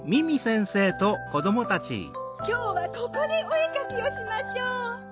きょうはここでおえかきをしましょう。